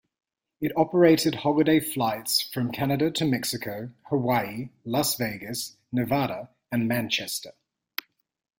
It operated holiday flights from Canada to Mexico, Hawaii, Las Vegas, Nevada and Manchester.